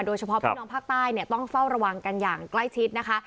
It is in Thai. พี่น้องภาคใต้เนี่ยต้องเฝ้าระวังกันอย่างใกล้ชิดนะคะ